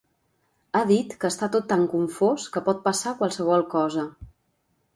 Ha dit que està tot tan confós que pot passar qualsevol cosa.